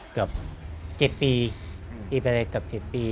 เกือบ๗ปีปีไปเลยเกือบ๗ปี